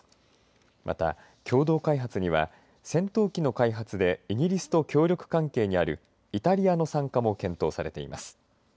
また、共同開発には戦闘機の開発でイギリスと協力関係にあるイタリアの参加も検討されています。